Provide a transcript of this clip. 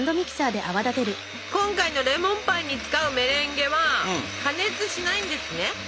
今回のレモンパイに使うメレンゲは加熱しないんですね。